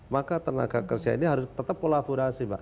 maka tenaga kerja ini harus tetap kolaborasi pak